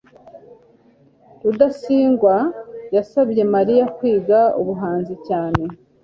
rudasingwa yasabye mariya kwiga ubuhanzi cyane